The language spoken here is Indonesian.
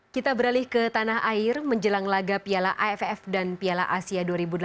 kita beralih ke tanah air menjelang laga piala aff dan piala asia dua ribu delapan belas